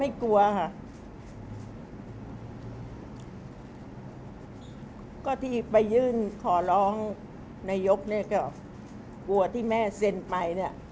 กลัวค่ะก็ที่ไปยื่นขอร้องนายกเนี่ยก็กลัวที่แม่เซ็นไปเนี่ย